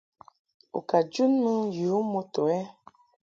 U ka jun mɨ yu moto ɛ ?